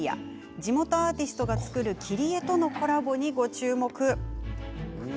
地元アーティストが作る切り絵とのコラボに、ご注目。